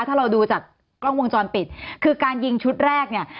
ถ้าเราดูจากกล้องวงจรปิดคือการยิงชุดแรกเนี่ย